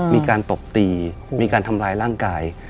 มีการตบตีมีการทำร้ายร่างกาย